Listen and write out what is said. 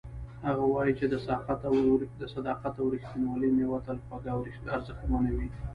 هغه وایي چې د صداقت او ریښتینولۍ میوه تل خوږه او ارزښتمنه وي